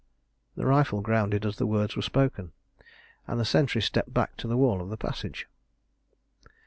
The rifle grounded as the words were spoken, and the sentry stepped back to the wall of the passage.